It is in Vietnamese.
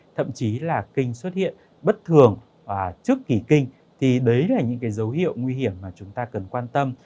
thậm chí là kinh xuất hiện bất thường trước kỷ kinh thì đấy là những cái dấu hiệu nguy hiểm mà chúng ta cần quan tâm